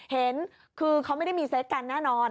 เห็นคือเขาไม่ได้มีเซ็กกันแน่นอน